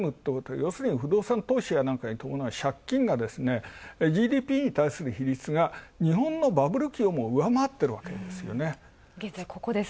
ようするに不動産部門に伴う借金がＧＤＰに対する比率が日本のバブル期をも上回ってるわけです。